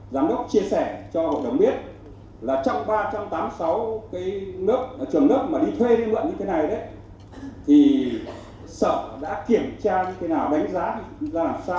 giám đốc chia sẻ cho hội đồng biết là trong ba trăm tám mươi sáu trường nước mà đi thuê đi mượn như thế này